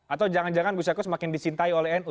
atau jangan jangan gus yaku semakin disintai oleh nu